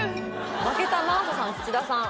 負けた真麻さん土田さん